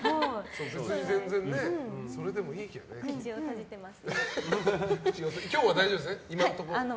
口は閉じてます。